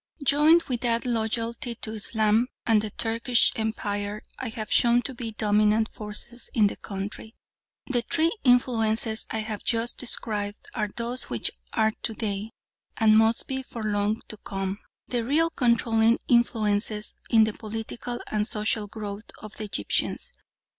Joined with that loyalty to Islam and the Turkish Empire I have shown to be dominant forces in the country, the three influences I have just described are those which are to day, and must be for long to come, the real controlling influences in the political and social growth of the Egyptians.